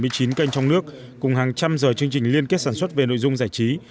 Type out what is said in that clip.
trên hai trăm bảy mươi chín kênh trong nước cùng hàng trăm giờ chương trình liên kết sản xuất về nội dung giải trí